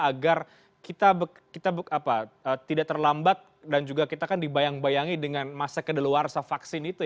agar kita tidak terlambat dan juga kita kan dibayang bayangi dengan masa kedeluarsa vaksin itu